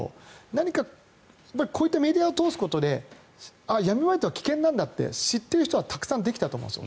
何か、こういったメディアを通すことで闇バイトは危険なんだと知っている人はたくさんできたと思います。